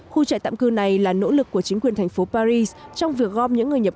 khu trại tạm cư này là nỗ lực của chính quyền thành phố paris trong việc gom những người nhập